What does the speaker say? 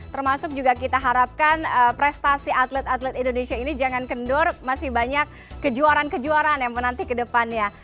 termasuk juga kita harapkan prestasi atlet atlet indonesia ini jangan kendor masih banyak kejuaraan kejuaraan yang menanti ke depannya